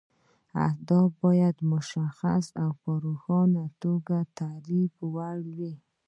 اهداف باید مشخص او په روښانه توګه د تعریف وړ وي.